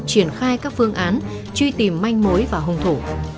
triển khai các phương án truy tìm manh mối và hung thủ